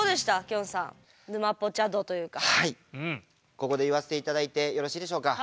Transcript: ここで言わせて頂いてよろしいでしょうか？